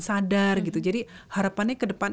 sadar gitu jadi harapannya ke depan